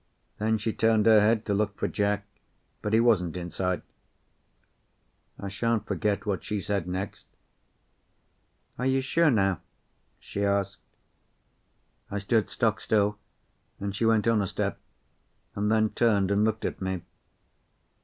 Then she turned her head to look for Jack, but he wasn't in sight. I shan't forget what she said next. "Are you sure now?" she asked. I stood stock still, and she went on a step, and then turned and looked at me.